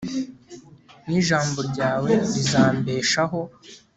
ni ijambo ryawe rizambeshaho